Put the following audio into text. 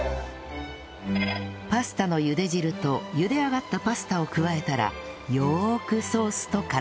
パスタの茹で汁と茹で上がったパスタを加えたらよーくソースと絡めます